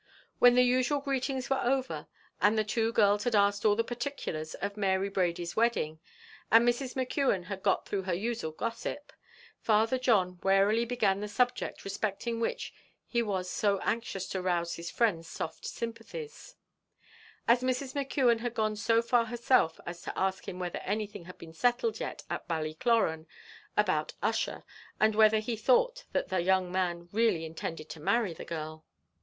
When the usual greetings were over, and the two girls had asked all the particulars of Mary Brady's wedding, and Mrs. McKeon had got through her usual gossip, Father John warily began the subject respecting which he was so anxious to rouse his friend's soft sympathies. Mrs. McKeon had gone so far herself as to ask him whether anything had been settled yet at Ballycloran, about Ussher, and whether he thought that the young man really intended to marry the girl.